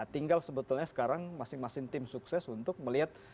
tinggal sebetulnya sekarang masing masing tim sukses untuk melihat